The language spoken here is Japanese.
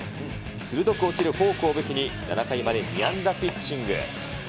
鋭く落ちるフォークを武器に、７回まで２安打ピッチング。